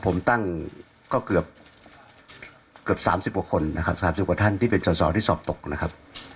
ผมตั้งก็เกือบ๓๐กว่าคนนะครับ๓๐กว่าท่านที่เป็นสอสอที่สอบตกนะครับ